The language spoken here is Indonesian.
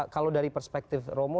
kalau dari perspektif romo